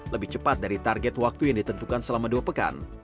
lebih cepat dari target waktu yang ditentukan selama dua pekan